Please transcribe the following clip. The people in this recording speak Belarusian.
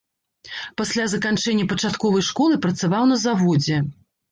Пасля заканчэння пачатковай школы працаваў на заводзе.